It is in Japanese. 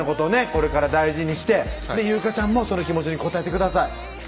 これから大事にして優香ちゃんもその気持ちに応えてください